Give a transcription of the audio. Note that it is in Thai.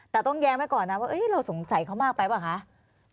แต่ต้องแย้งไว้ก่อนนะว่าเราสงสัยเขามากไปเปล่าคะ